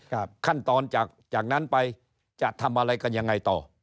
ขั้นตอนจากจากนั้นไปจะทำอะไรกันยังไงต่อ